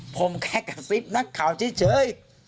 ผมแค่กระซิบนักข่าวเฉย